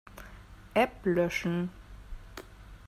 App löschen.